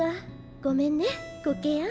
ごめんねコケヤン。